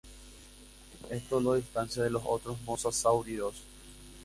Esto los distancia de los otros mosasáuridos.